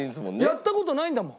やった事ないんだもん。